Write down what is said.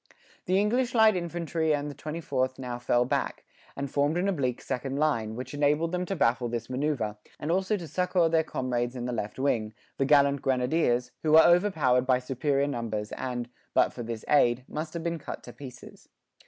The English light infantry and the 24th now fell back, and formed an oblique second line, which enabled them to baffle this manoeuvre, and also to succour their comrades in the left wing, the gallant grenadiers, who were overpowered by superior numbers, and, but for this aid, must have been cut to pieces.